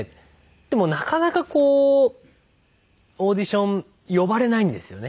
でもなかなかこうオーディション呼ばれないんですよね。